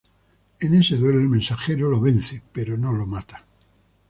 En ese duelo "El mensajero" lo vence, pero no lo mata.